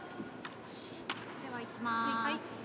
ではいきます。